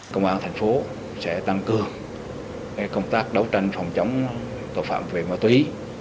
công an tp hcm sẽ tăng cương công tác đấu tranh phòng chống tội phạm về ma túy